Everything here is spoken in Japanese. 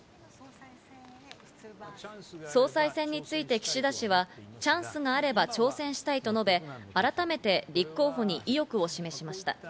総裁選について岸田氏はチャンスがあれば挑戦したいと述べ、改めて立候補に意欲を示しました。